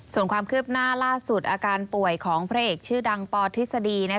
ส่วนความคืบหน้าล่าสุดอาการป่วยของพระเอกชื่อดังปทฤษฎี